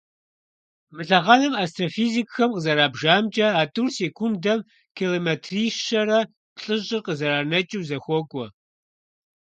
Мы лъэхъэнэм, астрофизикхэм къызэрабжамкIэ, а тIур секундэм километри щэрэ плIыщIыр къызэранэкIыу зэхуокIуэ.